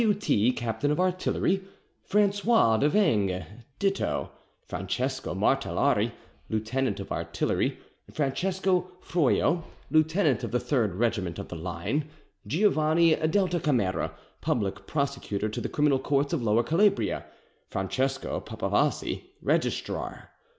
W. T. captain of Artillery. Francois de Venge, ditto. Francesco Martellari, lieutenant of Artillery. Francesco Froio, lieutenant in the 3rd regiment of the line. Giovanni delta Camera, Public Prosecutor to the Criminal Courts of Lower Calabria. Francesco Papavassi, registrar.